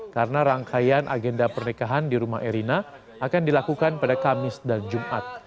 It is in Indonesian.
karena rangkaian agenda pernikahan di rumah erina akan dilakukan pada kamis dan jumat